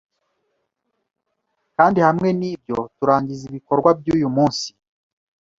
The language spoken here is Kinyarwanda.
Kandi hamwe nibyo turangiza ibikorwa byuyu munsi.